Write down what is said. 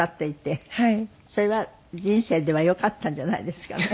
それは人生ではよかったんじゃないですかね？